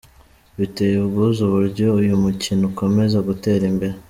Biteye ubwuzu uburyo uyu mukino ukomeza gutera imbere.